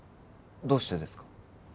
どうしてですか？